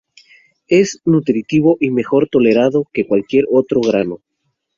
Es nutritivo y mejor tolerado que cualquier otro grano.